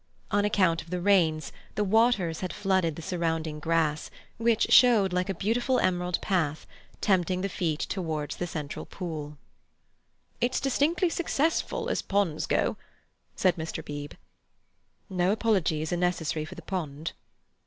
On account of the rains, the waters had flooded the surrounding grass, which showed like a beautiful emerald path, tempting these feet towards the central pool. "It's distinctly successful, as ponds go," said Mr. Beebe. "No apologies are necessary for the pond."